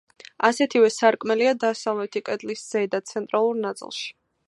ასეთივე სარკმელია დასავლეთი კედლის ზედა, ცენტრალურ ნაწილში.